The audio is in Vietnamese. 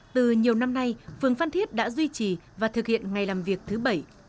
từ nhiều năm nay phường phan thiết đã duy trì và thực hiện ngày làm việc thứ bảy